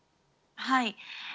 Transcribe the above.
はい。